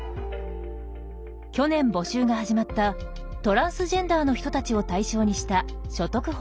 去年募集が始まったトランスジェンダーの人たちを対象にした所得保障プログラム。